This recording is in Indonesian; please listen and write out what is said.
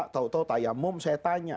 tau tau tayamum saya tanya